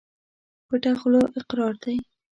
پټه خوله اقرار دى.